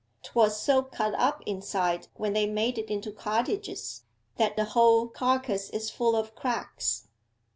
''Twas so cut up inside when they made it into cottages, that the whole carcase is full of cracks.